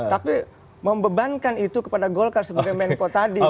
tapi membebankan itu kepada golkar sebagai menpo tadi begitu